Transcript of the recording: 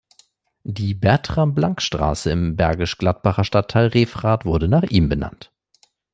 Die "Bertram-Blank-Straße" im Bergisch Gladbacher Stadtteil Refrath wurde nach ihm benannt.